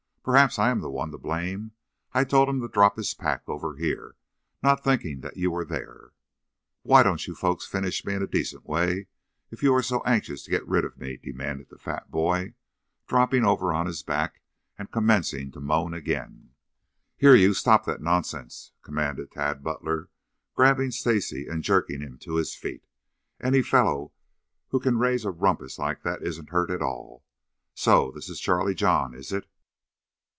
Perhaps I am the one to blame. I told him to drop his pack over here, not thinking that you were there." "Why don't you folks finish me in a decent way, if you are so anxious to get rid of me?" demanded the fat boy, dropping over on his back and commencing to moan again. "Here you, stop that nonsense!" commanded Tad Butler, grabbing Stacy and jerking him to his feet. "Any fellow who can raise a rumpus like that isn't hurt at all. So this is Charlie John, is it?"